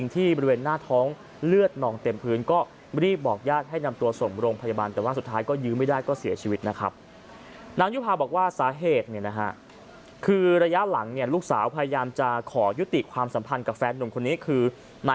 ตัวเองได้ยินเสียงปืนก็รีบออกดู